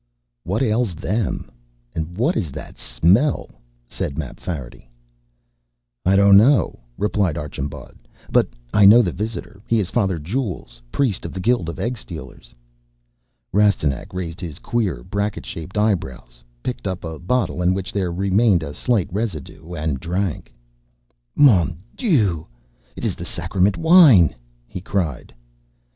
"What ails them? What is that smell?" said Mapfarity. "I don't know," replied Archambaud, "but I know the visitor. He is Father Jules, priest of the Guild of Egg stealers." Rastignac raised his queer, bracket shaped eyebrows, picked up a bottle in which there remained a slight residue, and drank. "Mon Dieu, it is the sacrament wine!" he cried.